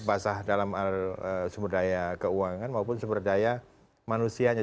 basah dalam sumber daya keuangan maupun sumber daya manusianya